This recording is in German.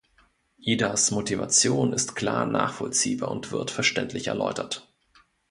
Idas Motivation ist klar nachvollziehbar und wird verständlich erläutert.